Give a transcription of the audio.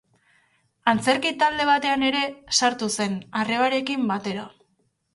Antzerki talde batean ere sartu zen, arrebarekin batera.